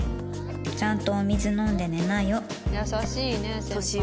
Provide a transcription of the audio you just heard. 「ちゃんとお水飲んで寝なよ」